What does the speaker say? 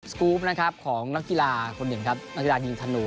สกรูปของนักกีฬาคนหนึ่งนักกีฬายิ่งธนู